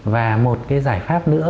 và một cái giải pháp nữa